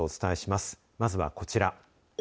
まずはこちら。